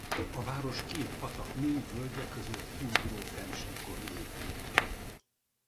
A város két patak mély völgye között kiugró fennsíkon épült.